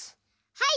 はい！